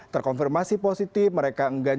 terkonfirmasi positif mereka enggan